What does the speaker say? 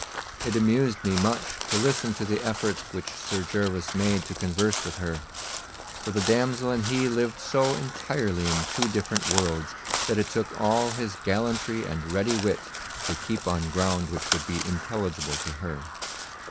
It amused me much to listen to the efforts which Sir Gervas made to converse with her, for the damsel and he lived so entirely in two different worlds, that it took all his gallantry and ready wit to keep on ground which would be intelligible to her.